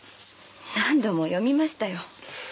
何度も読みましたよ。